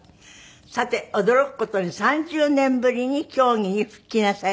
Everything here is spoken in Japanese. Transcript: さて驚く事に３０年ぶりに競技に復帰なさいます。